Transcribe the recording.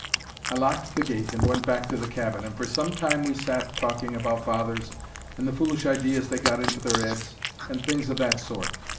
"I locked the gate and went back to the cabin, and for some time we sat talking about fathers and the foolish ideas they got into their 'eads, and things o' that sort.